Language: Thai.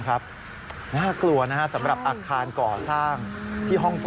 น่ากลัวสำหรับอาคารก่อสร้างที่ห้อง๗